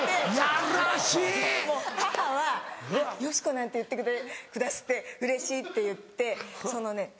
母は「ヨシコなんて言ってくださってうれしい」って言ってそのね